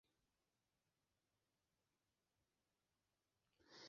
Tirkiye naxwaze Partiya Karkerên Kurdistanê ji nav bibe!